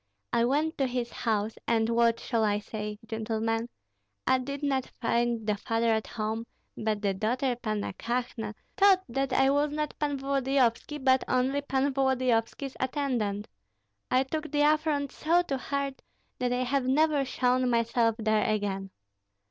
I went to his house, and what shall I say, gentlemen? I did not find the father at home, but the daughter Panna Kahna thought that I was not Pan Volodyovski, but only Pan Volodyovski's attendant. I took the affront so to heart that I have never shown myself there again."